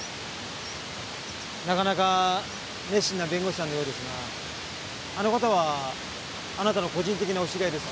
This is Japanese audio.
なかなか熱心な弁護士さんのようですがあの方はあなたの個人的なお知り合いですか？